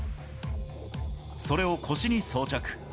それを腰に装着。